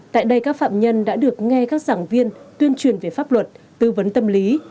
tại đây các phạm nhân đã được nghe các giảng viên tuyên truyền về pháp luật tư vấn tâm lý